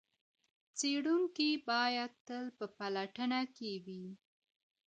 څېړونکی باید تل په پلټنه کي وي.